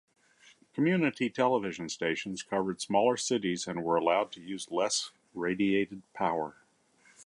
Community television stations covered smaller cities and were allowed to use less radiated power.